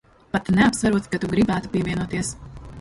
Pat neapsverot, ka tu gribētu pievienoties.